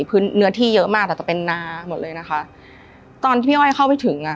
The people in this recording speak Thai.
พื้นเนื้อที่เยอะมากแต่จะเป็นนาหมดเลยนะคะตอนที่พี่อ้อยเข้าไปถึงอ่ะ